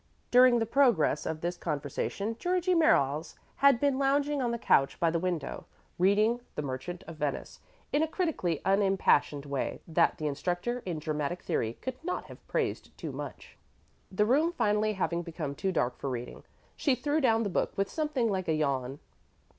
During the progress of this conversation Georgie Merriles had been lounging on the couch by the window, reading the "Merchant of Venice" in a critically unimpassioned way that the instructor in Dramatic Theory could not have praised too much. The room finally having become too dark for reading, she threw down the book with something like a yawn.